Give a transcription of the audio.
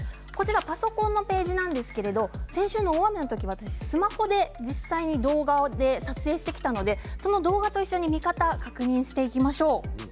パソコンのページなんですけれども先週の大雨の時スマホで実際に動画で撮影してきたのでその動画と一緒に見方を確認していきましょう。